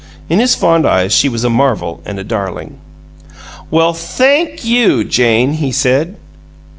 In his fond eyes she was a marvel and a darling. "Well THANK you, Jane!" he said.